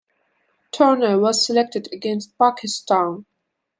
Turner was selected against Pakistan.